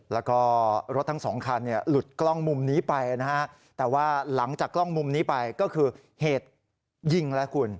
แล้วก็รถทั้งสองคันเนี่ยหลุดกล้องมุมนี้ไปนะฮะแต่ว่าหลังจากกล้องมุมนี้ไปก็คือเหตุยิงแล้วคุณ